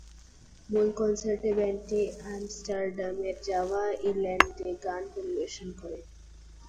মূল কনসার্টে ব্যান্ডটি আমস্টারডামের জাভা-ইল্যান্ডে গান পরিবেশন করে।